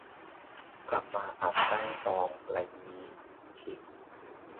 กลับมาอาจได้ซองไรงี้ ชิค